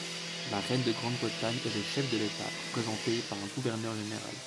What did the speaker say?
La reine de Grande-Bretagne est le chef de l’État, représentée par un gouverneur général.